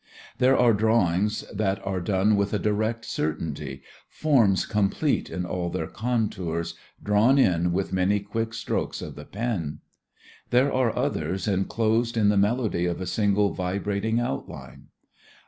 There are drawings that are done with a direct certainty, forms complete in all their contours, drawn in with many quick strokes of the pen; there are others enclosed in the melody of a single vibrating outline.